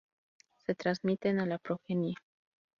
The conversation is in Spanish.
Se transmiten a la progenie.